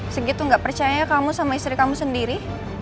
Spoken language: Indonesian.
segitu gak percaya kamu sama istri kamu sendiri